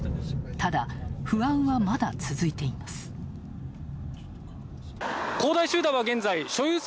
ただ、不安はまだ続いています。